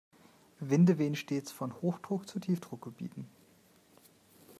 Winde wehen stets von Hochdruck- zu Tiefdruckgebieten.